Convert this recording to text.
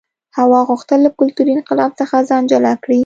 هوا غوښتل له کلتوري انقلاب څخه ځان جلا کړي.